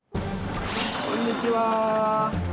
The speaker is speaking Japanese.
こんにちは。